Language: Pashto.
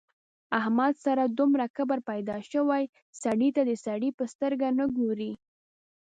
احمد سره دومره کبر پیدا شوی سړي ته د سړي په سترګه نه ګوري.